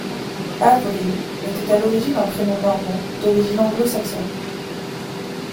Avery était à l'origine un prénom normand, d'origine anglo-saxonne.